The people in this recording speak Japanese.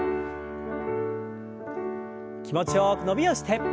気持ちよく伸びをして。